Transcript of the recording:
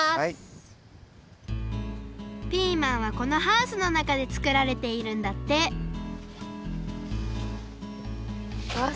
ピーマンはこのハウスのなかでつくられているんだってうわすごい。